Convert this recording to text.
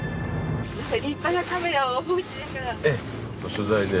取材で。